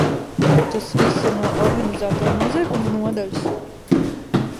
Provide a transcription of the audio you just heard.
Tas viss ir no organizēto noziegumu nodaļas?